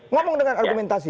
ngomong dengan argumentasi